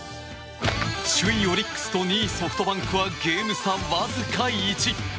首位オリックスと２位ソフトバンクはゲーム差わずか１。